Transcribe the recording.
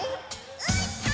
「うーたん！！！」